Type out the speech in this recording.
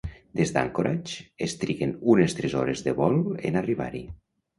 Des d'Anchorage es triguen unes tres hores de vol en arribar-hi.